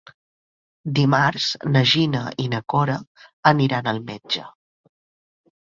Dimarts na Gina i na Cora aniran al metge.